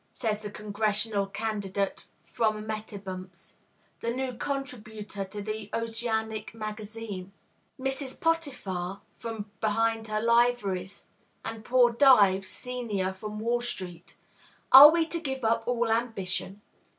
says the congressional candidate from Mettibemps; the "new contributor" to the oceanic magazine; Mrs. Potiphar, from behind her liveries; and poor Dives, senior, from Wall Street; "Are we to give up all ambition?"